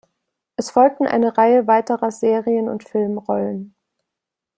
Es folgten eine Reihe weiterer Serien- und Filmrollen.